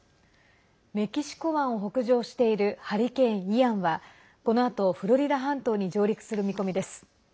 メキシコ湾を北上しているハリケーン、イアンはこのあとフロリダ半島に上陸する見込みです。